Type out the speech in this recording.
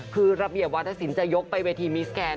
คือระเบียบวัฒนศิลปจะยกไปเวทีมิสแกน